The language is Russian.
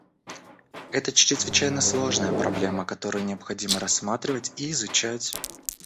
Это чрезвычайно сложная проблема, которую необходимо рассматривать и изучать.